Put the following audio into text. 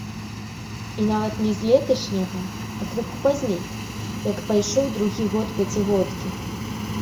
І нават не з леташняга, а крыху пазней, як пайшоў другі год пяцігодкі.